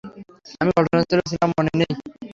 আমি ঘটনাস্থলে ছিলাম, মনে নেই?